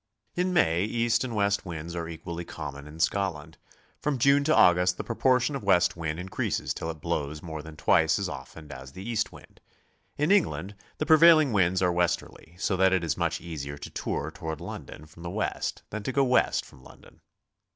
In May east and west winds are equally common in Scotland; from June, to August the proportion of west wind increases till it blows more than twice as often as the east wind. In England the prevailing winds are westerly, so that it is much easier to tour toward London from the west than to go west from London.